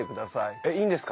えっいいんですか？